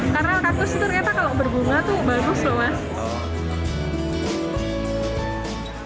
karena kaktus ternyata kalau berbunga tuh bagus loh mas